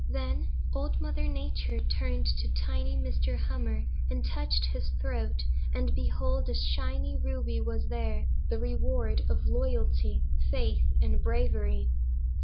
"Then Old Mother Nature turned to tiny Mr. Hummer and touched his throat, and behold a shining ruby was there, the reward of loyalty, faith, and bravery.